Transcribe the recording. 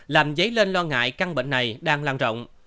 làm dấy lên lo ngại căn bệnh này đang lan rộng